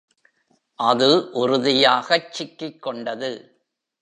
அது உறுதியாகச் சிக்கிக்கொண்டது.